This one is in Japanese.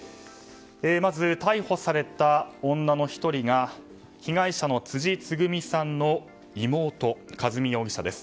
まず、逮捕された女の１人が被害者の辻つぐみさんの妹の和美容疑者です。